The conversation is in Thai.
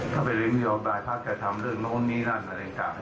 ถ้าเป็นนโยคหลายภาคจะทำเรื่องโน้นนี้นั่นอะไรอย่างต่าง